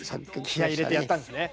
気合い入れてやったんですね。